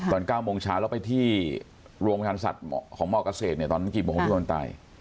ตอน๙โมงเช้าแล้วไปที่โรงงานสัตว์ของมเกษตรเนี่ยตอนนั้นกี่โมงที่มันตาย